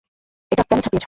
এটা কেনো ছাপিয়েছো?